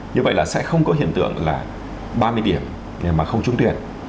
như vậy là sẽ không có hiện tượng là ba mươi điểm mà không trung tuyệt